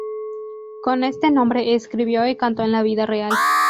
Con este nombre escribió y canto en la vida real.